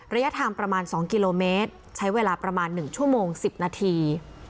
ระยะทางประมาณ๒กิโลเมตรใช้เวลาประมาณ๑ชั่วโมง๑๐นาที